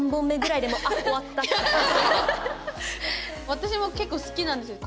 私も結構好きなんですよ